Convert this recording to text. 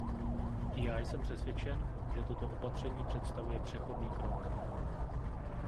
I já jsem přesvědčen, že toto opatření představuje přechodný krok.